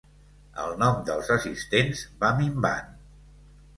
El nombre dels assistents va minvant.